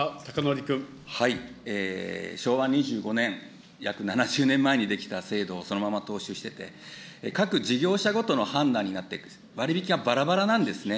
昭和２５年、約７０年前に出来た制度をそのまま踏襲してて、各事業者ごとの判断になって、割引がばらばらなんですね。